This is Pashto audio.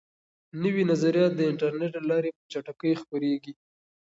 نوي نظریات د انټرنیټ له لارې په چټکۍ خپریږي.